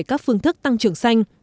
các phương thức tăng trưởng xanh